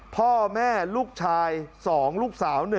พ่อแม่ลูกชาย๒ลูกสาว๑